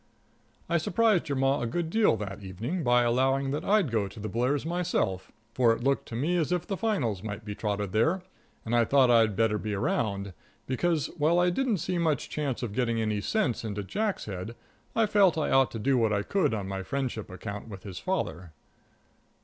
I surprised your Ma a good deal that evening by allowing that I'd go to the Blairs' myself, for it looked to me as if the finals might be trotted there, and I thought I'd better be around, because, while I didn't see much chance of getting any sense into Jack's head, I felt I ought to do what I could on my friendship account with his father.